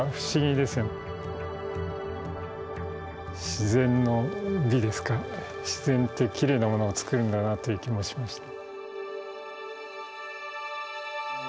自然の美ですか自然ってきれいなものをつくるんだなという気もしました。